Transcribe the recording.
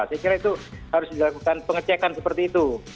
saya kira itu harus dilakukan pengecekan seperti itu